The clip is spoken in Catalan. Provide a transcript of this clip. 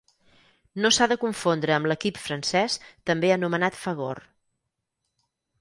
No s'ha de confondre amb l'equip francès també anomenat Fagor.